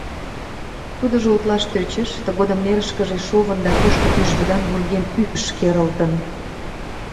Тудыжо утлаш тӧчыш, тыгодым нерышкыже шовын да тошто пӱжвӱдан вургем ӱпш керылтын.